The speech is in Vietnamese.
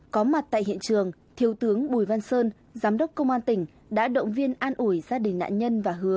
có mặt tại hiện trường thiếu tướng bùi văn sơn giám đốc công an tỉnh đã động viên an ủi gia đình nạn nhân và hứa